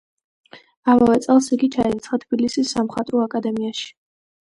ამავე წელს იგი ჩაირიცხა თბილისის სამხატვრო აკადემიაში.